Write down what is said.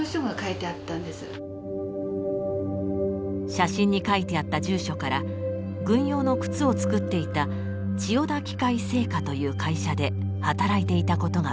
写真に書いてあった住所から軍用の靴を作っていた千代田機械製靴という会社で働いていたことが分かりました。